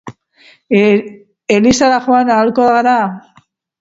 Elizara joan ahalko gara?